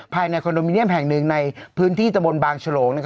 ภายในคอนโดมิเนียมแห่งหนึ่งในพื้นที่ตะบนบางฉลง